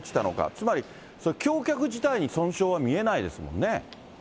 つまりそれ、橋脚自体に損傷は見えないですもんね。